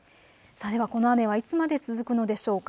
この雨はいつまで続くのでしょうか。